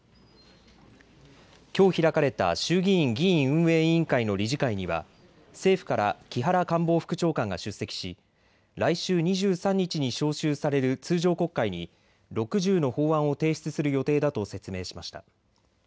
きょう開かれた衆議院議院運営委員会の理事会には政府から木原官房副長官が出席し来週２３日に召集される通常国会に６０の法案を提出する予定だと説明しました。